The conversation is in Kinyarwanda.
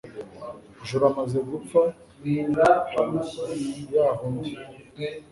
Juru amaze gupfa hajyaho undi,